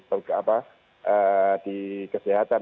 apa di kesehatan